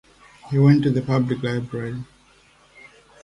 He went to the public library.